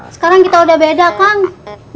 sekarang kita udah beda kang